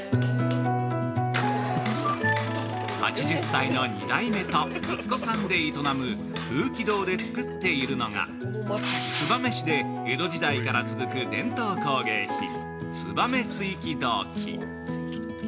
◆８０歳の２代目と息子さんで営む「富貴堂」で作っているのが、燕市で江戸時代から続く伝統工芸品「燕鎚起銅器」